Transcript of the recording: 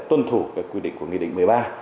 tuân thủ cái quy định của nghị định một mươi ba